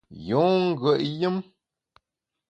Yun ngùet yùm !